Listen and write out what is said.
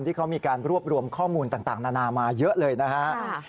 ที่เขามีการรวบรวมข้อมูลต่างนานามาเยอะเลยนะครับ